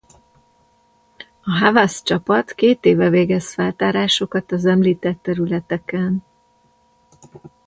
A Hawass-csapat két éve végez feltárásokat az említett területeken.